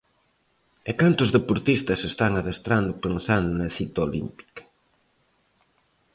E cantos deportistas están adestrando pensando na cita olímpica.